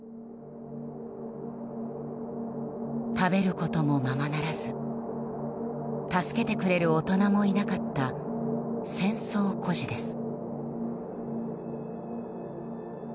食べることもままならず助けてくれる大人もいなかった戦争孤児です。